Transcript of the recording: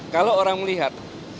kalau orang melihat